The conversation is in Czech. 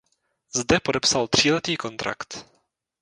Zde podepsal tříletý kontrakt.